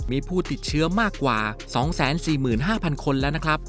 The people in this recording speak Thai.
มีผู้ติดเชื้อมากกว่า๒๔๕๐๐คนแล้วนะครับ